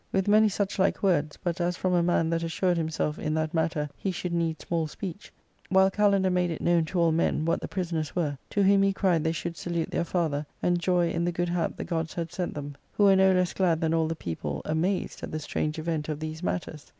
With many such like words, but as from a man that assured himself in that matter he should need small speech, while Kalander made it known to all men what the prisoners were, to whom he cried they should salute their father, and joy in the good hap the gods had sent them ; who were no less glad than all the people amazed at the strange event of these matters.